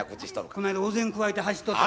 こないだお膳くわえて走っとった。